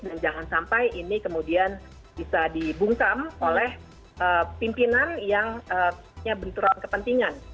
dan jangan sampai ini kemudian bisa dibungkam oleh pimpinan yang punya benturan kepentingan